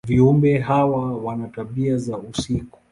Viumbe hawa wana tabia za usiku.